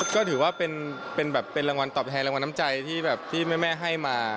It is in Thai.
ก็ถือว่าเป็นแบบเป็นรางวัลตอบแทนรางวัลน้ำใจที่แบบที่แม่ให้มา